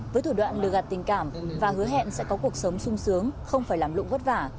với thủ đoạn lừa gạt tình cảm và hứa hẹn sẽ có cuộc sống sung sướng không phải làm lụng vất vả